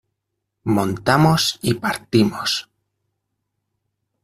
montamos y partimos.